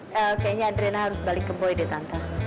kayaknya adriana harus balik ke boy deh tante